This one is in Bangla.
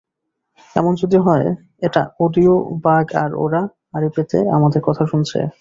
এমন যদি হয় এটা অডিয়ো বাগ আর ওরা আড়ি পেতে আমাদের কথা শুনছে?